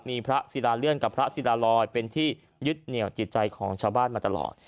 มีพระศิลาเลื่อนกับพระศิลาลอยเป็นที่ยึดเหนียวจิตใจของชาวบ้านมาตลอด